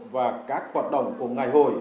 và các hoạt động của ngày hội